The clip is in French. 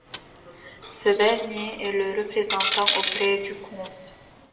Ce dernier est le représentant auprès du comte.